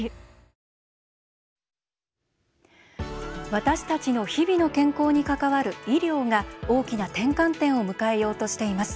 私たちの日々の健康に関わる医療が大きな転換点を迎えようとしています。